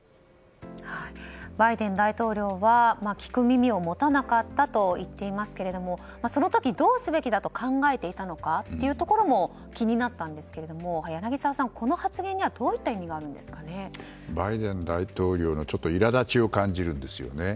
バイデン大統領は聞く耳を持たなかったと言っていますけれどその時どうすべきだと考えていたのかというところも気になったんですが柳澤さんこの発言にはバイデン大統領のいらだちを感じるんですよね。